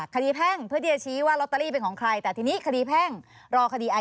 คดีแพ่งเพื่อที่จะชี้ว่าล็อตเตอรี่เป็นของใคร